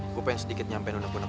gue pengen sedikit nyampein unak unak